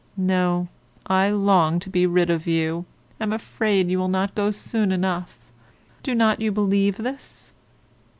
No, I long to be rid of you, am afraid you will not go soon enough: do not you believe this?